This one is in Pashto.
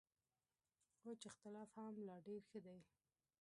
وچ اختلاف هم لا ډېر ښه دی.